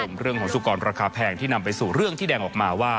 เป็นเรื่องของสุกรราคาแพงที่นำไปสู่เรื่องที่แดงออกมาว่า